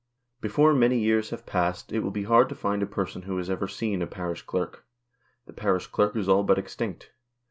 Before many years have passed it will be hard to find a person who has ever seen a Parish Clerk. The Parish Clerk is all but extinct.